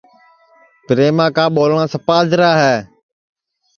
پریما کا ٻولٹؔا سپا اجرا ہے